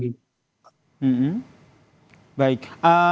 baik apa yang menjadi kebutuhan